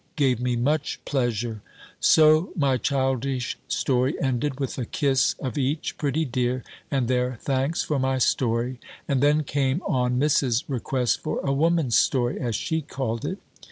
gave me much pleasure. So my childish story ended, with a kiss of each pretty dear, and their thanks for my story: and then came on Miss's request for a woman's story, as she called it.